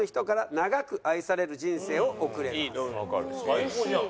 最高じゃん。